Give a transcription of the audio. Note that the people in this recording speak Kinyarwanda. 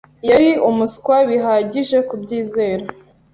Yari umuswa bihagije kubyizera.